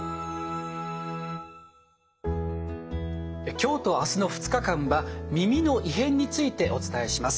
今日と明日の２日間は耳の異変についてお伝えします。